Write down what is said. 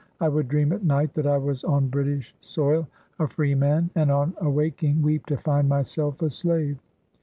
I would dream at night that I was on British soil, a freeman, and on awaking, weep to find myself a slave.